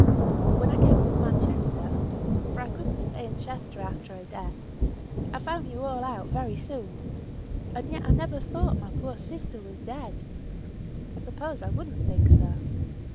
"When I came to Manchester (for I could not stay in Chester after her death), I found you all out very soon. And yet I never thought my poor sister was dead. I suppose I would not think so.